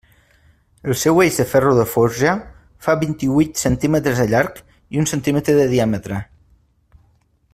El seu eix de ferro de forja fa vint-i-huit centímetres de llarg i un centímetre de diàmetre.